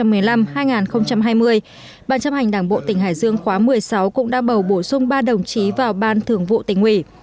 ban chấp hành đảng bộ tỉnh hải dương khóa một mươi sáu cũng đã bầu bổ sung ba đồng chí vào ban thường vụ tỉnh ủy